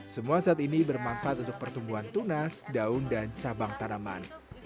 semua zat ini bermanfaat untuk pertumbuhan tunas daun dan cabang tanaman